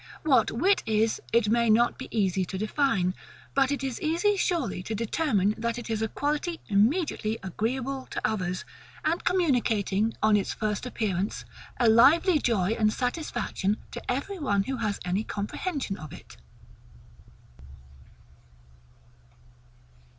What wit is, it may not be easy to define; but it is easy surely to determine that it is a quality immediately AGREEABLE to others, and communicating, on its first appearance, a lively joy and satisfaction to every one who has any comprehension of it.